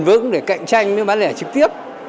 vững để cạnh tranh với bán lẻ trực tiếp